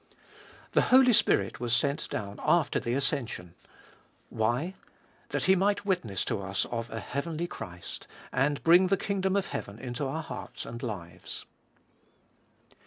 2. The Holy Spirit was sent down after the ascension. Why ? That He might witness to us of a heavenly Christ, and bring the kingdom of heaven into our hearts and Hues.